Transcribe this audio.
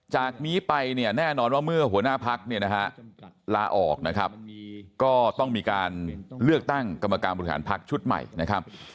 จากนี้ไปเนี่ยแน่นอนว่าเมื่อหัวหน้าพักเนี่ยนะฮะลาออกนะครับก็ต้องมีการเลือกตั้งกรรมการบริหารพักชุดใหม่นะครับ